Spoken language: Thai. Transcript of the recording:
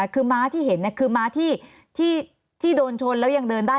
คือม้าที่เห็นคือม้าที่โดนชนแล้วยังเดินได้